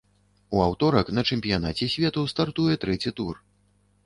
У аўторак на чэмпіянаце свету стартуе трэці тур.